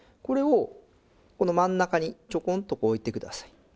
これをこの真ん中にちょこんとこう置いてください。